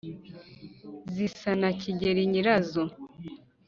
zisa na kigeli nyirazo;